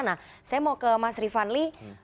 nah saya mau ke mas rifanli